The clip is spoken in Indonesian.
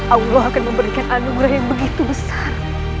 allah akan memberikan anugerah yang begitu besar